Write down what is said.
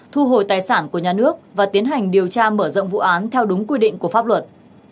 thu hồi tài sản của nhà nước và tiến hành điều tra mở rộng vụ án theo đúng quy định của pháp luật